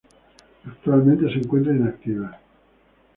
Actualmente se encuentra inactiva.